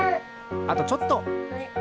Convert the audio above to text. あとちょっと。